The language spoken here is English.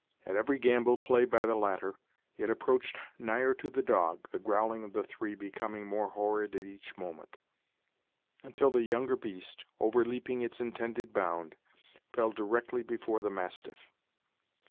At every gambol played by the latter, it approached nigher to the dog, the growling of the three becoming more horrid at each moment, until the younger beast, over leaping its intended bound, fell directly before the mastiff.